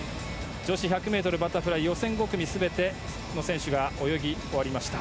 女子１００ｍバタフライは予選５組全ての選手が泳ぎ終わりました。